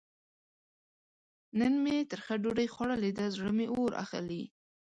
نن مې ترخه ډوډۍ خوړلې ده؛ زړه مې اور اخلي.